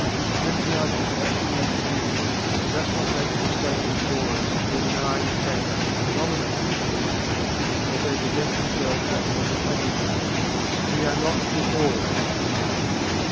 In recognizing the Absolute view, we must not make the mistake of ignoring or denying the facts and phenomena of the Universe as they present themselves to our mortal faculties we are not THE ALL, remember.